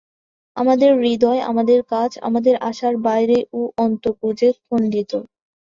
আমাদের হৃদয়, আমাদের কাজ, আমাদের আশা বাইরে ও অন্তঃপুরে খণ্ডিত।